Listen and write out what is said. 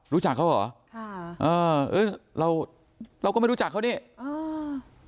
รู้จักเขาเหรอค่ะเออเอ้ยเราเราก็ไม่รู้จักเขานี่อ่า